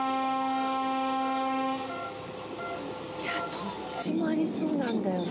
「どっちもありそうなんだよな」